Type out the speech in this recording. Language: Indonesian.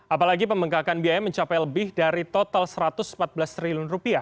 apalagi pembengkakan biaya mencapai lebih dari total rp satu ratus empat belas triliun